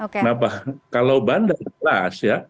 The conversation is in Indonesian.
kenapa kalau bandar jelas ya